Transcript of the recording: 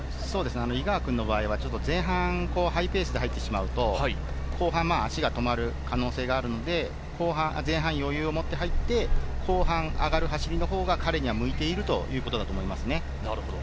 井川君の場合は前半後半、ハイペースで入っていると、後半に足が止まる可能性があるので、前半、余裕を持って入って、後半に上がる走りのほうが彼には向いているということだと思いますね。